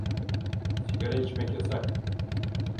Sigara içmek yasak.